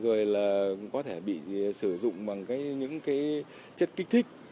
rồi là có thể bị sử dụng bằng những cái chất kích thích